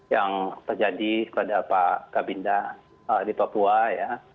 yang terjadi pada pak kabinda di papua ya